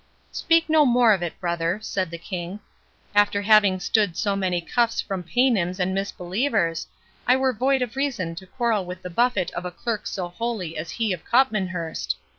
—" "Speak no more of it, brother," said the King; "after having stood so many cuffs from Paynims and misbelievers, I were void of reason to quarrel with the buffet of a clerk so holy as he of Copmanhurst.